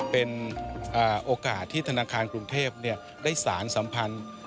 เป็นโอกาสที่ธนาคารกรุงเทพได้สารสัมพันธ์